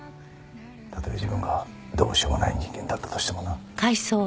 たとえ自分がどうしようもない人間だったとしてもな。